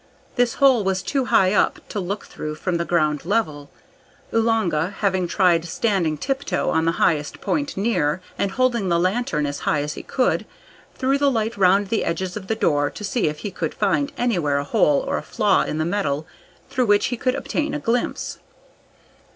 This hole was too high up to look through from the ground level. Oolanga, having tried standing tiptoe on the highest point near, and holding the lantern as high as he could, threw the light round the edges of the door to see if he could find anywhere a hole or a flaw in the metal through which he could obtain a glimpse.